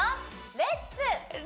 「レッツ！